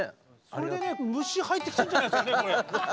それでね虫入ってきたんじゃないですかね？